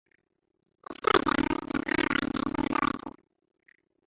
The store journal is an analog version of a wiki.